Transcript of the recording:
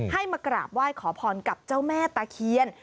มากราบไหว้ขอพรกับเจ้าแม่ตะเคียน